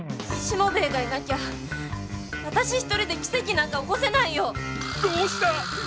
しもべえがいなきゃ私一人で奇跡なんか起こせないよ！